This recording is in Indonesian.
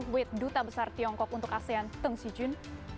with duta besar tiongkok untuk asean teng si jun